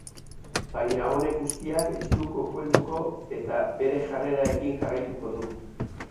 Baina honek guztiak ez du kokilduko eta bere jarrerarekin jarraituko du.